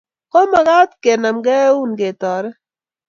Komakat kenamkei einun ketoret